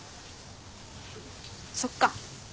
そっか。